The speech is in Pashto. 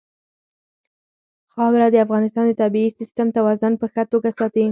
خاوره د افغانستان د طبعي سیسټم توازن په ښه توګه ساتي.